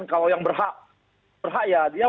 kalau yang berhak berhak ya dia